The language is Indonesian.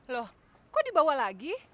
loh kok dibawa lagi